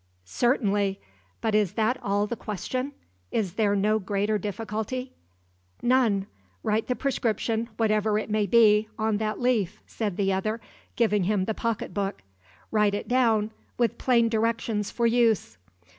"Certainly! But is that all the question? Is there no greater difficulty?" "None. Write the prescription, whatever it may be, on that leaf," said the other, giving him the pocket book. "Write it down, with plain directions for use."